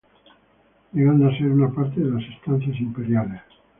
Llegando a ser una parte de las estancias imperiales.